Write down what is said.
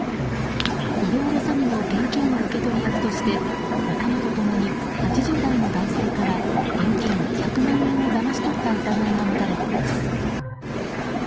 オレオレ詐欺の現金の受け取り役として仲間と共に８０代の男性から現金１００万円をだまし取った疑いがもたれています。